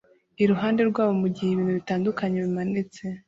iruhande rwabo mugihe ibintu bitandukanye bimanitse